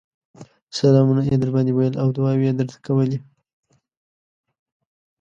سلامونه يې درباندې ويل او دعاوې يې درته کولې